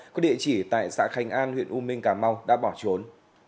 có địa chỉ tại xã khánh an huyện u minh cà mau đã bỏ trốn